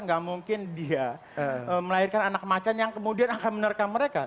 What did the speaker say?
nggak mungkin dia melahirkan anak macan yang kemudian akan menerkam mereka